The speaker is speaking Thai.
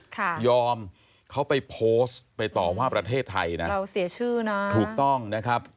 ค่ะยอมเขาไปโพสต์ไปต่อว่าประเทศไทยนะเราเสียชื่อนะถูกต้องนะครับ